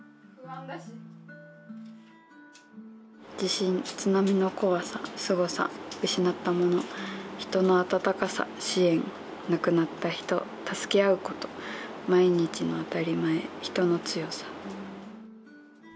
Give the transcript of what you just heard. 地震、津波の怖さ、すごさ、失ったもの、人のあたたかさ、支援、亡くなった人、助け合うこと、毎日の当たり前、人の強さ。